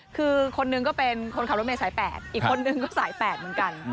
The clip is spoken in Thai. คือคนหนึ่งก็เป็นคนขับรถเมย์สาย๘อีกคนนึงก็สาย๘เหมือนกัน